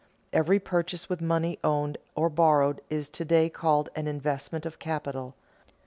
Every purchase with money owned or borrowed is to day called an investment of capital.